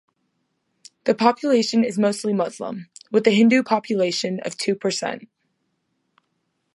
The population is mostly Muslim, with a Hindu population of two percent.